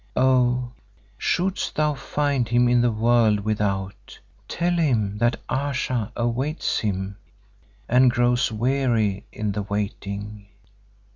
Oh, shouldest thou find him in the world without, tell him that Ayesha awaits him and grows weary in the waiting.